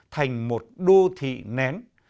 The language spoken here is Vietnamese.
thành một đô thị nén